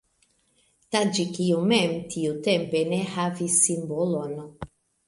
Taĝikio mem tiutempe ne havis simbolon.